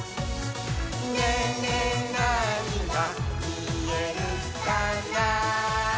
「ねえ、ねえ、なーにがみえるかな？」